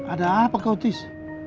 ada apa kau tis